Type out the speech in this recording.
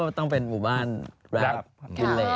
ก็ต้องเป็นหมู่บ้านรับดุเลส